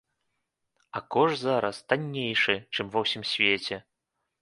А кошт зараз таннейшы, чым ва ўсім свеце.